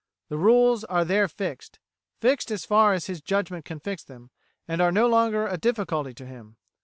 The rules are there fixed fixed as far as his judgment can fix them and are no longer a difficulty to him.